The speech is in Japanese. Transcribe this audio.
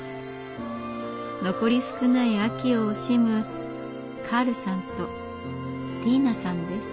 残り少ない秋を惜しむカールさんとティ−ナさんです。